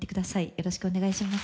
よろしくお願いします。